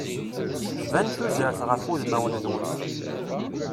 Tban tuzert ɣef udmawen-nwen.